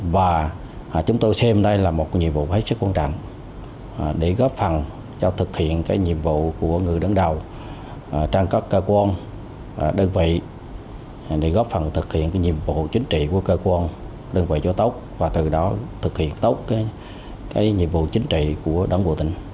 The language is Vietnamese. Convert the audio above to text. và chúng tôi xem đây là một nhiệm vụ rất quan trọng